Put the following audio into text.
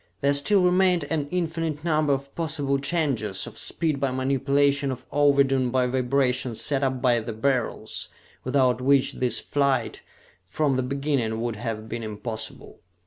There still remained an infinite number of possible changes of speed by manipulation of ovidum by vibration set up by the Beryls, without which this flight from the beginning would have been impossible.